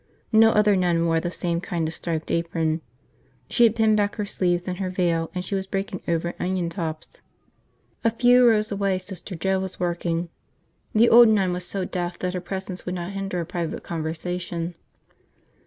No other nun wore the same kind of striped apron. She had pinned back her sleeves and her veil and she was breaking over onion tops. A few rows away Sister Joe was working. The old nun was so deaf that her presence would not hinder a private conversation.